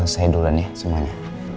saya duluan ya semuanya